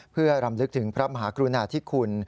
เพื่อรำลึกถึงพระมหากรุณาธิคุณ